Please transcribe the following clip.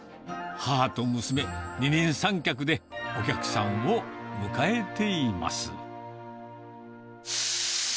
母と娘、二人三脚でお客さんを迎えています。